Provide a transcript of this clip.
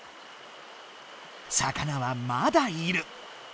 魚はまだいる。